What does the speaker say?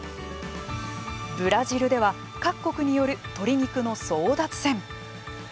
ブラジルでは各国による鶏肉の争奪戦。